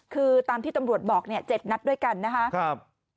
คือตามที่ตำรวจบอกเนี่ย๗นัดด้วยกันนะครับ